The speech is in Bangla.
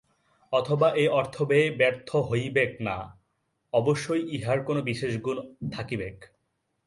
অথবা এ অর্থব্যয় ব্যর্থ হইবেক না অবশ্যই ইহার কোন বিশেষ গুণ থাকিবেক।